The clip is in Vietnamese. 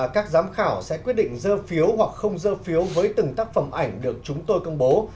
các giám khảo sẽ quyết định dơ phiếu hoặc không dơ phiếu với từng tác phẩm ảnh được chúng tôi công bố